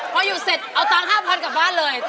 พอหยุดเสร็จเอาตังค์๕๐๐กลับบ้านเลย